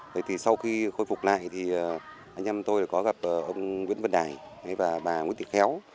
thế thì sau khi khôi phục lại thì anh em tôi có gặp ông nguyễn văn đài và bà nguyễn thị khéo